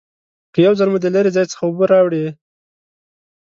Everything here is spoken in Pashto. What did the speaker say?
که یو ځل مو د لرې ځای څخه اوبه راوړي